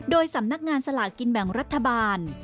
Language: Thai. โดยสำนักงานสลากกินแบ่งรัฐบาล